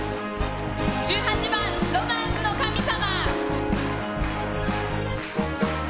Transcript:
１８番「ロマンスの神様」。